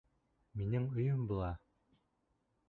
Минең өйөм була!